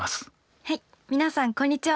はい皆さんこんにちは。